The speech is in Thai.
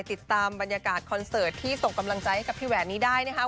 ติดตามบรรยากาศคอนเสิร์ตที่ส่งกำลังใจให้กับพี่แหวนนี้ได้นะครับ